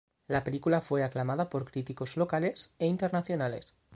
La película fue aclamada por críticos locales e internacionales.